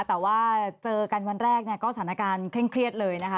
แต่ว่าเจอกันวันแรกเนี่ยก็สถานการณ์เคร่งเครียดเลยนะคะ